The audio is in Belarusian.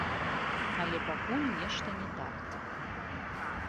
Але пакуль нешта не так.